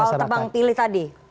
fokus dulu nih soal tebang pilih tadi